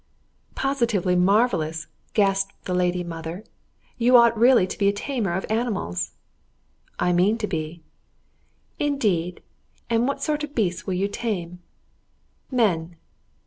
"Positively marvellous!" gasped the lady mother; "you ought really to be a tamer of animals!" "I mean to be." "Indeed! And what sort of beasts will you tame?" "Men!"